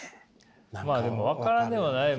まあでも分からんでもない。